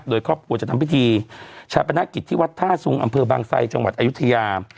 โดยครอบครัวจะทำพิธีชาปนกิจที่วัดท่าสุงอำเภอบางไซจังหวัดอายุทยา